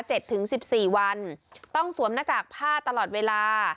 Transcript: ถึงสิบสี่วันต้องสวมหน้ากากผ้าตลอดเวลา